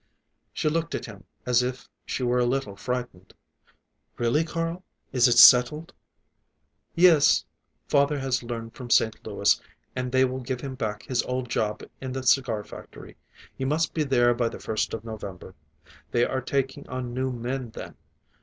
She looked at him as if she were a little frightened. "Really, Carl? Is it settled?" "Yes, father has heard from St. Louis, and they will give him back his old job in the cigar factory. He must be there by the first of November. They are taking on new men then.